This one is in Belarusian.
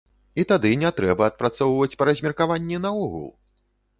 І тады не трэба адпрацоўваць па размеркаванні наогул!